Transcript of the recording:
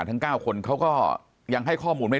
ปากกับภาคภูมิ